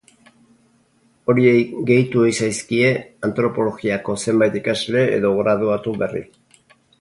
Horiei gehitu ohi zaizkie antropologiako zenbait ikasle edo graduatu berri.